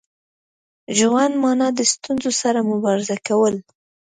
ژوند مانا د ستونزو سره مبارزه کول.